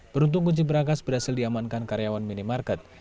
beruntung kunci berangkas berhasil diamankan karyawan minimarket